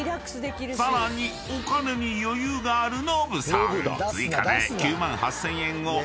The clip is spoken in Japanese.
［さらにお金に余裕があるノブさん］